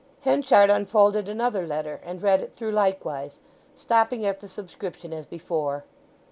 Henchard unfolded another letter, and read it through likewise, stopping at the subscription as before.